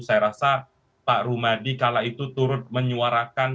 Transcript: saya rasa pak rumadi kala itu turut menyuarakan